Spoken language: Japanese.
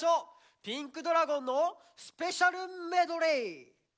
ピンクドラゴンのスペシャルメドレー！